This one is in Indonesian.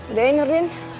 udah ya nurdin